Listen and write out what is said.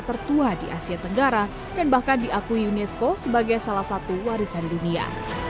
tertua di asia tenggara dan bahkan diakui unesco sebagai salah satu warisan dunia